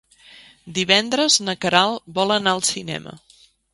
Divendres na Queralt vol anar al cinema.